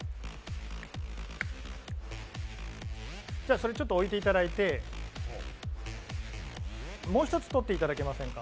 それ、ちょっと置いていただいてもう一つ取っていただいていいですか。